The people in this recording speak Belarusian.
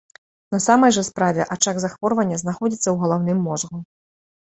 На самай жа справе ачаг захворвання знаходзіцца ў галаўным мозгу.